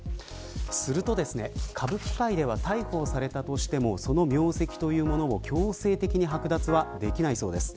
すると、歌舞伎界では逮捕されたとしてもその名跡というものを強制的に剥奪することはできないそうです。